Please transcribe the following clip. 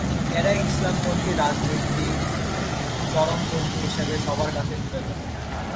এরাই ইসলামপন্থী রাজনীতিকে চরমপন্থী হিসেবে সবার কাছে তুলে ধরে।